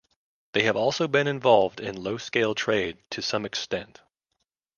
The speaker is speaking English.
They have also been involved in low scale trade to some extent.